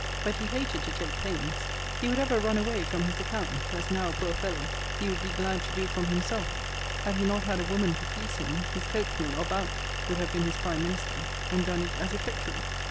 But he hated to take pains. He would ever run away from his accounts; as now, poor fellow! he would be glad to do from himself. Had he not had a woman to fleece him, his coachman or valet, would have been his prime minister, and done it as effectually.